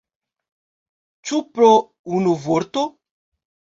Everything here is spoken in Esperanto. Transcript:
Ĉu pro unu vorto?